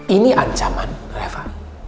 ini ancaman reva